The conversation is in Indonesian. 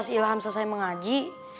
pas ilham selesai mengaji